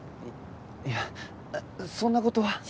いやそんな事は。